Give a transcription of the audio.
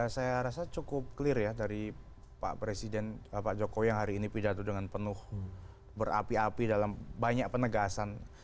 saya rasa cukup clear ya dari pak presiden pak jokowi yang hari ini pidato dengan penuh berapi api dalam banyak penegasan